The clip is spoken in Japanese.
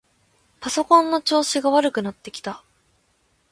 パソコンの調子が悪くなってきた。